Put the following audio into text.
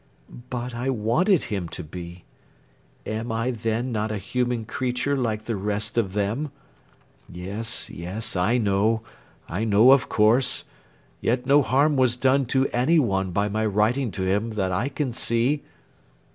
"But I wanted him to be... Am I then not a human creature like the rest of them? Yes, yes, I know, I know, of course... Yet no harm was done to any one by my writing to him that I can see..."